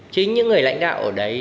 chính những người lãnh đạo ở đấy